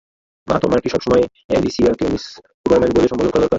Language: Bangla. মা, তোমার কি সবসময় অ্যালিসিয়াকে মিস হুবারম্যান বলে সম্বোধন করা দরকার?